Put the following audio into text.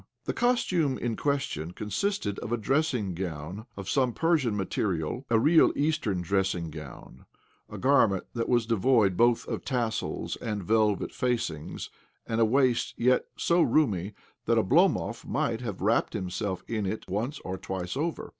The costume in question consisted of a dressing gown of some Persian material— a real Eastern dtess ing gown — a garment that was devoid both of tassels and velvet facings and a waist, yet so roomy that Oblomov might have wrapped himself in it once or twice over.